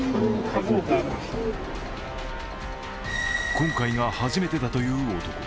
今回が初めてだという男。